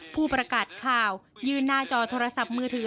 ผู้ประกาศข่าวยืนหน้าจอโทรศัพท์มือถือ